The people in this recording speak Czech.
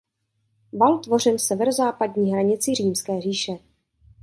Val tvořil severozápadní hranici Římské říše.